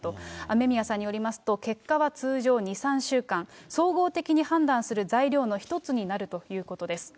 雨宮さんによりますと、結果は通常２、３週間、総合的に判断する材料の一つになるということです。